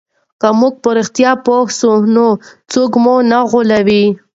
که موږ په رښتیا پوه سو نو څوک مو نه غولوي.